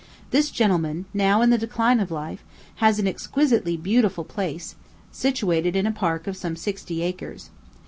This gentleman, now in the decline of life, has an exquisitely beautiful place, situated in a park of some sixty acres.